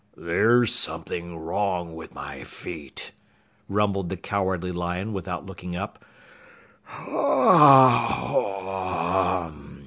"There's something wrong with my feet," rumbled the Cowardly Lion without looking up.